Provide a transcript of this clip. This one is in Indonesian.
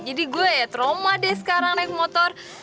jadi gue ya trauma deh sekarang naik motor